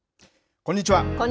こんにちは。